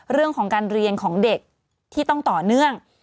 เรื่องของการเรียนของเด็กที่ต้องต่อเนื่อง